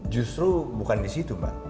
justru bukan disitu mbak